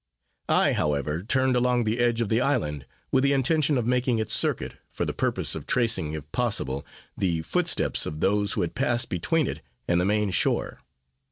I, however, turned along the edge of the island, with the intention of making its circuit, for the purpose of tracing, if possible, the footsteps of those who had passed between it and the main shore.